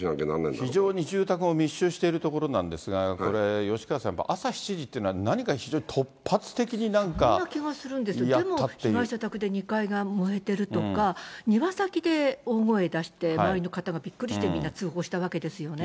非常に住宅も密集している所なんですが、吉川さん、朝７時っていうのは、そんな気がするんですよ、でも、被害者宅で２階が燃えてるとか、庭先で大声出して、周りの方がびっくりして、みんな通報したわけですよね。